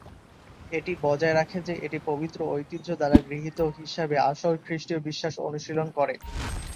এটি বজায় রাখে যে, এটি পবিত্র ঐতিহ্য দ্বারা গৃহীত হিসাবে আসল খ্রীষ্টীয় বিশ্বাস অনুশীলন করে।